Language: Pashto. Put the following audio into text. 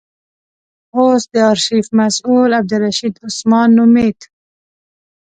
اوس د آرشیف مسئول عبدالرشید عثمان نومېد.